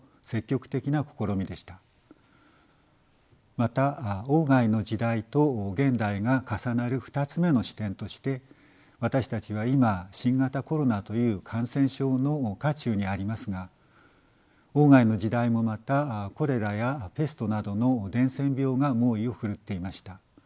また外の時代と現代が重なる２つ目の視点として私たちは今新型コロナという感染症の渦中にありますが外の時代もまたコレラやペストなどの伝染病が猛威を奮っていました。